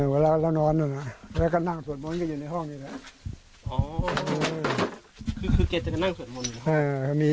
เวลาเรานอนแล้วก็นั่งสวดมนตร์อยู่ในห้องนี้